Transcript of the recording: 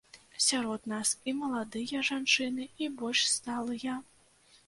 Сярод нас і маладыя жанчыны, і больш сталыя.